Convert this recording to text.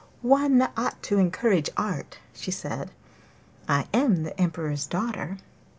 'One ought to encourage art,' she said. 'I am the Emperor's daughter!